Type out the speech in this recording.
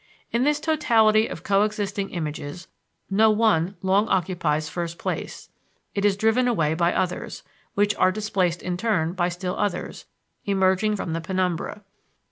In this totality of coexisting images no one long occupies first place; it is driven away by others, which are displaced in turn by still others emerging from the penumbra.